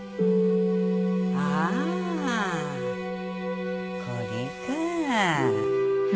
ああこれか